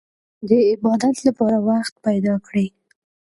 د عبادت لپاره وخت پيدا کړئ.